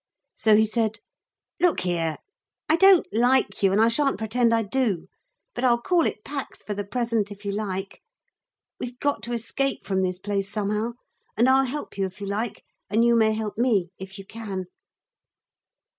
So he said: 'Look here, I don't like you and I shan't pretend I do. But I'll call it Pax for the present if you like. We've got to escape from this place somehow, and I'll help you if you like, and you may help me if you can.'